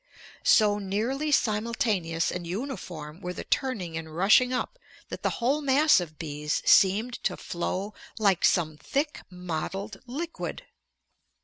So nearly simultaneous and uniform were the turning and rushing up that the whole mass of bees seemed to flow like some thick mottled liquid.